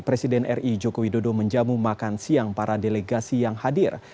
presiden ri joko widodo menjamu makan siang para delegasi yang hadir